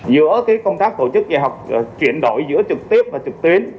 giữa công tác tổ chức dạy học chuyển đổi giữa trực tiếp và trực tuyến